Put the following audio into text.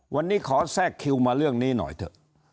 วันนี้ขอแทรกคิวมาเรื่องนี้หน่อยเถอะ